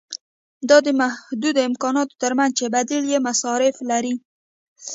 دا د محدودو امکاناتو ترمنځ چې بدیل مصارف لري.